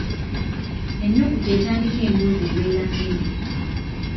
Ennukuta etandika emboozi ebeera nnene.